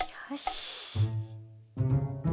よし！